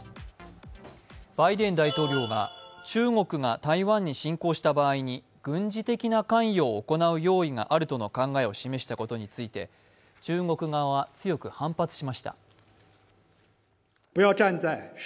バイデン大統領が中国が台湾に侵攻した場合に軍事的な関与を行う用意があるとの考えを示したことについて中国側は強く反発しました。